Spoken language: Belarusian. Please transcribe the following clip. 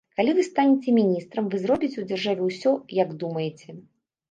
Калі вы станеце міністрам, вы зробіце ў дзяржаве ўсё, як думаеце.